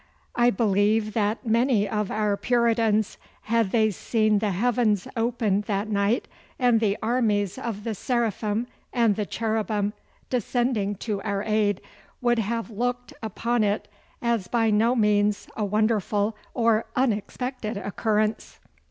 I believe that many of our Puritans, had they seen the heavens open that night, and the armies of the Seraphim and the Cherubim descending to our aid, would have looked upon it as by no means a wonderful or unexpected occurrence.